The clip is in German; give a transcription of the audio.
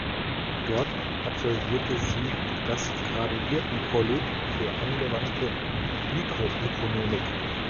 Dort absolvierte sie das Graduiertenkolleg für Angewandte Mikroökonomik.